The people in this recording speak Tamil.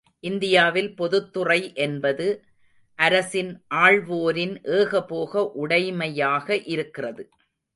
இந்தியாவில் பொதுத் துறை என்பது அரசின் ஆள்வோரின் ஏகபோக உடைமையாக இருக்கிறது.